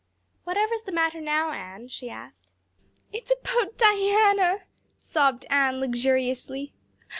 "Whatever's the matter now, Anne?" she asked. "It's about Diana," sobbed Anne luxuriously.